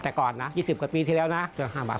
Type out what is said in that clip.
แต่ก่อนนะปีที่แล้วนะสวยละ๕บาท